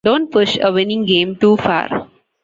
Don't push a winning game too far.